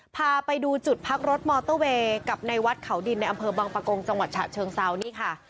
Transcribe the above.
พาไปดูจุดพักรถมอเตอร์เวย์กับในวัดเขาดินในอำเภอบังปะกงจังหวัดฉะเชิงเซานี่ค่ะ